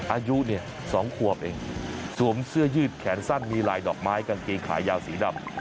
อายุเนี่ย๒ขวบเองสวมเสื้อยืดแขนสั้นมีลายดอกไม้กางเกงขายาวสีดำ